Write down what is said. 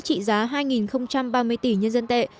trị giá hai ba mươi tỷ nhân dân tệ